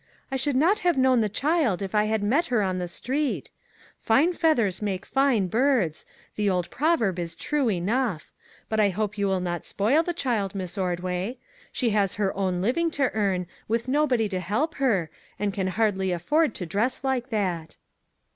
" I should not have known the child if I had met her on the street. ' Fine feathers make fine birds '; the old proverb is true enough. But I hope you will not spoil the child, Miss Ordway. She has her own living to earn, with nobody to help her, and can hardly afford to dress like that."